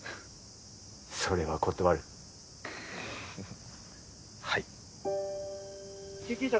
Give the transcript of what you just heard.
それは断るはい・救急車